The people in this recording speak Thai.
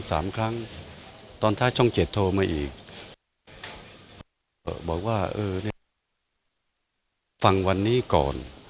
สามครั้งตอนท้ายช่องเจ็ดโทรมาอีกบอกว่าเออเนี้ยฟังวันนี้ก่อน